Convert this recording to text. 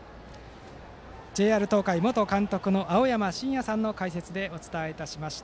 ＪＲ東海元監督の青山眞也さんの解説でお伝えしました。